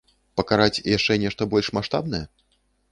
Пакараць яшчэ нешта больш маштабнае?